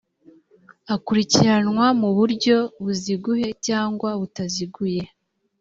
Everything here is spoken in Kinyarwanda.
akurikiranwa mu buryo buziguye cyangwa butaziguye